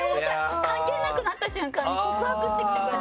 関係なくなった瞬間に告白してきてくれたんですよ。